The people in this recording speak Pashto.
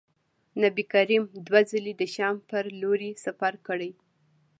نبي کریم دوه ځلي د شام پر لوري سفر کړی.